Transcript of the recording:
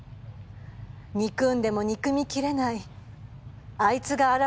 憎んでも憎みきれないあいつが現れたんです。